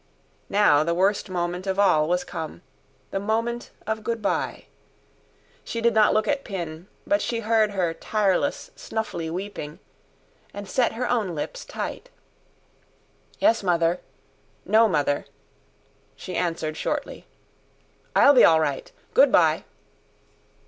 Now the worst moment of all was come the moment of good bye. She did not look at Pin, but she heard her tireless, snuffly weeping, and set her own lips tight. "Yes, mother ... no, mother," she answered shortly, "I'll be all right. Good bye."